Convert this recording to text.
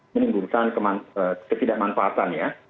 menimbulkan ketidakmanfaatan ya